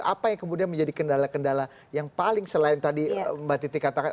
apa yang kemudian menjadi kendala kendala yang paling selain tadi mbak titi katakan